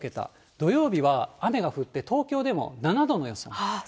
土曜日は雨が降って、東京でも７度の予想。